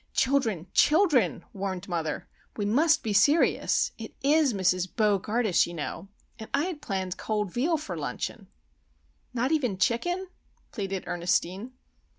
"Children! children!" warned mother. "We must be serious. It is Mrs. Bo gardus, you know;—and I had planned cold veal for luncheon!" "Not even chicken?" pleaded Ernestine.